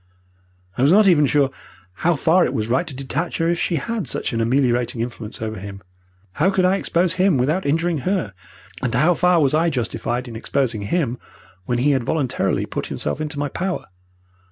I was not even sure how far it was right to detach her if she had such an ameliorating influence over him. How could I expose him without injuring her and how far was I justified in exposing him when he had voluntarily put himself into my power?